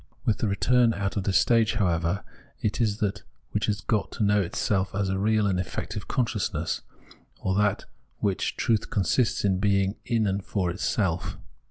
With the return out of this stage, however, it is that which has got to know itself as a real and efiective consciousness, or that whose truth consists in being in or for itself.